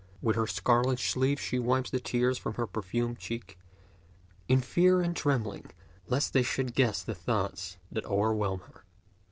With her scarlet sleeve she wipes the tears from her perfumed cheek, In fear and trembling lest they should guess the thoughts that o'erwhelm her."